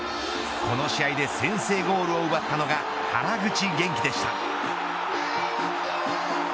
この試合で先制ゴールを奪ったのが原口元気でした。